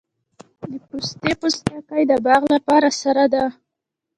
د پستې پوستکي د باغ لپاره سره ده؟